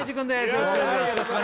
よろしくお願いします